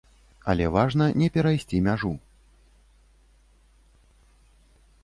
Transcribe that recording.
Але важна не перайсці мяжу.